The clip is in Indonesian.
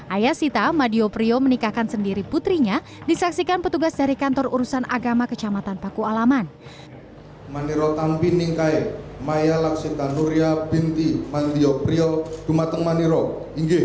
ayah sita madio prio menikahkan sendiri putrinya disaksikan petugas dari kantor urusan agama kecamatan paku alaman